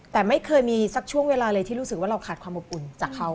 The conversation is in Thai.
แต่ไม่เคยมีสักช่วงเวลาเลยที่รู้สึกว่าเราขาดความอบอุ่นจากเขา